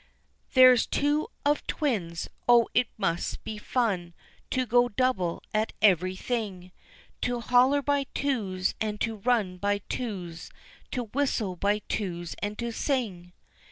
"There's two of twins oh it must be fun To go double at everything, To holler by twos, and to run by twos, To whistle by twos, and to sing!"